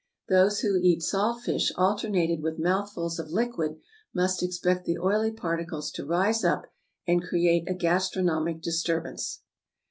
Those who eat salt fish alternated with mouthfuls of liquid must expect the oily particles to rise up, and create a gastronomic disturbance.